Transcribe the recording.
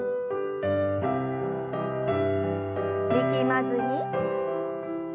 力まずに。